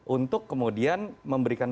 untuk kemudian memberikan